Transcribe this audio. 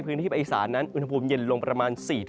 พื้นที่ภาคอีสานนั้นอุณหภูมิเย็นลงประมาณ๔๐